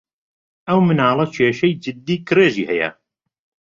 ئەو مناڵە کێشەی جددی کڕێژی ھەیە.